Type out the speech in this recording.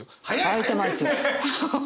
「開いてますよ！！」？